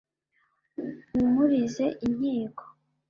Mpumurize inkiko